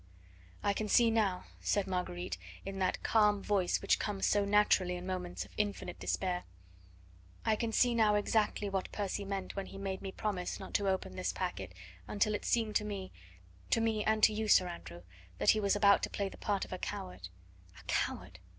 "I can see now," said Marguerite in that calm voice which comes so naturally in moments of infinite despair "I can see now exactly what Percy meant when he made me promise not to open this packet until it seemed to me to me and to you, Sir Andrew that he was about to play the part of a coward. A coward!